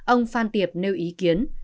ông phan tiệp nêu ý kiến